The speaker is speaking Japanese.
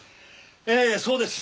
ええそうです。